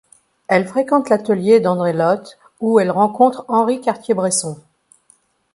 Elle fréquente l'atelier d'André Lhote où elle rencontre Henri Cartier-Bresson.